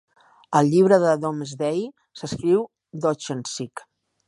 Al llibre de Domesday s'escriu Dochesig.